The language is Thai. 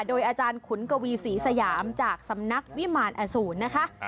โดยอาจารย์ขุนกวีศรีสยามจากสำนักวิมารอสูรนะคะ